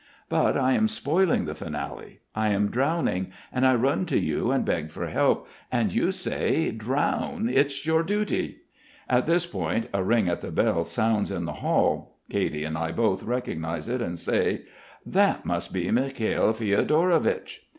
But I am spoiling the finale. I am drowning, and I run to you and beg for help, and you say: 'Drown. It's your duty.'" At this point a ring at the bell sounds in the hall. Katy and I both recognise it and say: "That must be Mikhail Fiodorovich."